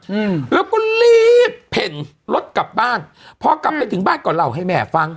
อืมแล้วก็รีบเพ่นรถกลับบ้านพอกลับไปถึงบ้านก็เล่าให้แม่ฟัง